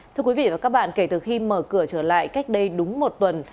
thưa quý vị và các bạn kể từ khi mở cửa trở lại cách đây đúng một tuần